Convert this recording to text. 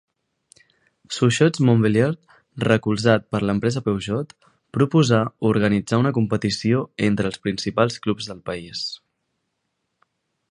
Sochaux-Montbéliard, recolzat per l'empresa Peugeot, proposà organitzar una competició entre els principals clubs del país.